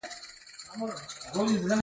هغې ته د نوبل جایزه ورکړل شوه.